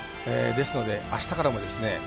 ですので、あしたからもですね